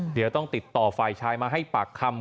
เดี๋ยวต้องติดต่อฝ่ายชายมาให้ปากคำ